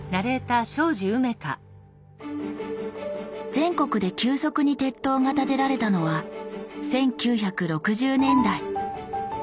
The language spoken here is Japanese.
全国で急速に鉄塔が建てられたのは１９６０年代。